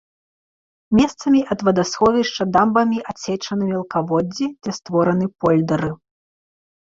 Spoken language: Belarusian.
Месцамі ад вадасховішча дамбамі адсечаны мелкаводдзі, дзе створаны польдэры.